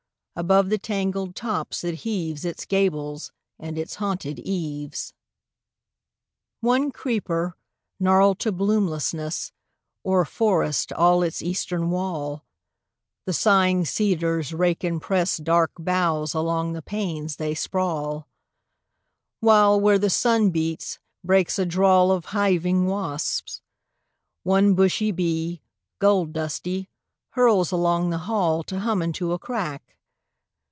Above the tangled tops it heaves Its gables and its haunted eaves. 2. One creeper, gnarled to bloomlessness, O'er forests all its eastern wall; The sighing cedars rake and press Dark boughs along the panes they sprawl; While, where the sun beats, breaks a drawl Of hiving wasps; one bushy bee, Gold dusty, hurls along the hall To hum into a crack.